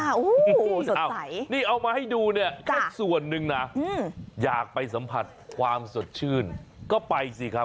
โอ้โหสดใสนี่เอามาให้ดูเนี่ยเป็นส่วนหนึ่งนะอยากไปสัมผัสความสดชื่นก็ไปสิครับ